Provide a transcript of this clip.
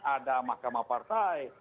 ada mahkamah partai